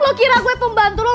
lo kira wed pembantu lo